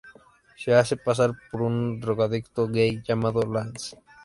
Se hace pasar por un drogadicto gay llamado Lance.